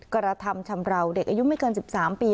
กรธรรมชำรวจเด็กอายุไม่เกินสิบสามปี